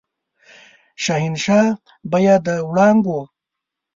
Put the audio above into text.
شهنشاه به يې د وړانګو